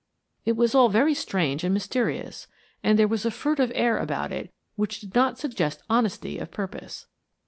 It was all very strange and mysterious, and there was a furtive air about it which did not suggest honesty of purpose.